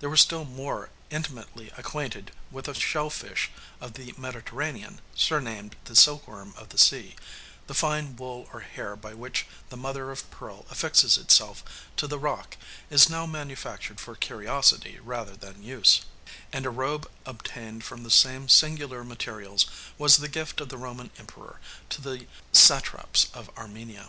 They were still more intimately acquainted with a shell fish of the Mediterranean, surnamed the silkworm of the sea: the fine wool or hair by which the mother of pearl affixes itself to the rock is now manufactured for curiosity rather than use; and a robe obtained from the same singular materials was the gift of the Roman Emperor to the satraps of Armenia.